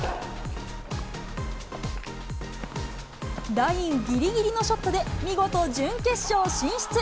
ラインぎりぎりのショットで見事準決勝進出。